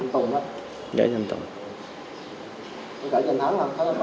không gửi danh thắng không gửi danh thắng